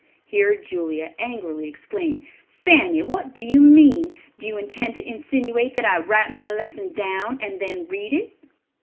Here Julia angrily exclaimed, "Fanny, what do you mean? Do you intend to insinuate that I write my lesson down and then read it?"